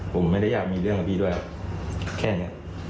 ผมไม่ได้อยากมีเรื่องกับพี่ด้วยแค่นี้